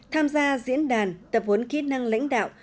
tham gia diễn đàn tập huấn kỹ năng lãnh đạo